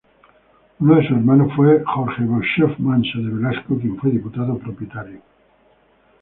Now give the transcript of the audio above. Uno de sus hermanos fue Jorge Beauchef Manso de Velasco, quien fue diputado propietario.